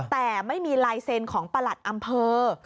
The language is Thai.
แต่ไม่มีลายเซ็นต์ของประหลัดอำเภอ